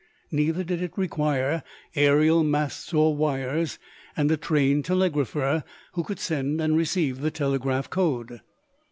Neither did it require aerial masts or wires and a trained telegrapher who could send and receive the telegraph code.